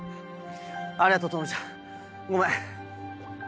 ありがとう朋美ちゃんごめん。